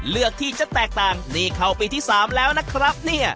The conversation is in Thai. เลือกที่จะแตกต่างนี่เข้าปีที่๓แล้วนะครับเนี่ย